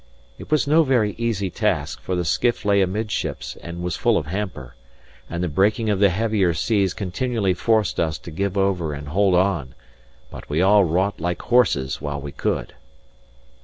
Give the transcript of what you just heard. It was no very easy task, for the skiff lay amidships and was full of hamper, and the breaking of the heavier seas continually forced us to give over and hold on; but we all wrought like horses while we could.